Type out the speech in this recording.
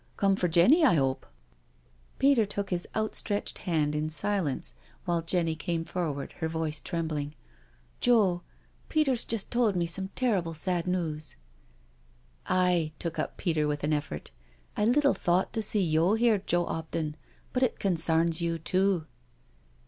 Come for Jenny, I hope I'* Peter took his outstretched hand in silence, while Jenny came forward, her voice trembling: " Joe — Peter's just ' told me some terrible sad news "•• Aye," took up Peter with an effort, " I little thawt to see yo' here, Joe 'Opton— but it concarns you too."